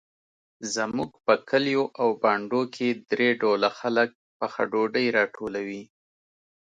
زموږ په کلیو او بانډو کې درې ډوله خلک پخه ډوډۍ راټولوي.